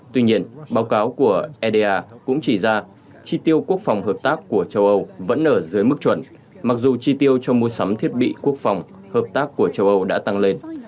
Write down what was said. tuy nhiên báo cáo của eda cũng chỉ ra chi tiêu quốc phòng hợp tác của châu âu vẫn ở dưới mức chuẩn mặc dù chi tiêu cho mua sắm thiết bị quốc phòng hợp tác của châu âu đã tăng lên